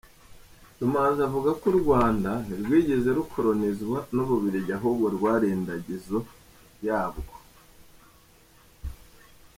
Rumanzi avuga ko U Rwanda ntirwigeze rukoronizwa n’Ububiligi ahubwo rwari indagizo yabwo.